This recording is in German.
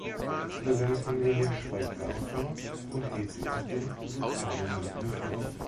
Über seine Familie schweigt der Autor und hält sie aus den sozialen Medien fern.